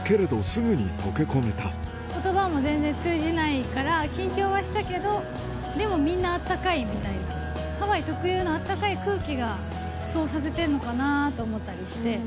ことばも全然通じないから、緊張はしたけど、でもみんなあったかいみたいな、ハワイ特有のあったかい空気がそうさせてるのかなと思ったりして。